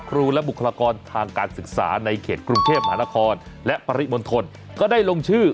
ครูและบุคลากรทางการศึกษาในเขตกรุงเทพมหานครและปริมณฑลก็ได้ลงชื่อ